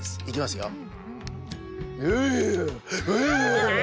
いきますよ